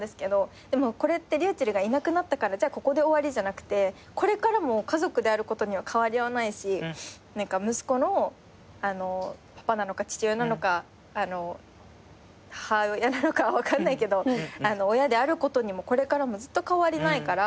でもこれってｒｙｕｃｈｅｌｌがいなくなったからじゃあここで終わりじゃなくてこれからも家族であることには変わりはないし息子のパパなのか父親なのか母親なのか分かんないけど親であることにもこれからもずっと変わりないから。